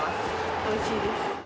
おいしいです。